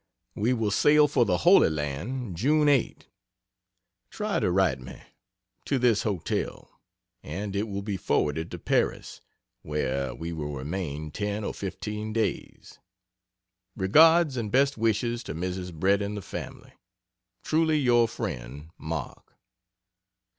We sail for the Holy Land June 8. Try to write me (to this hotel,) and it will be forwarded to Paris, where we remain 10 or 15 days. Regards and best wishes to Mrs. Bret and the family. Truly Yr Friend MARK.